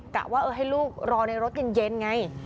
กะว่าให้ลูกรอในรถเย็นไง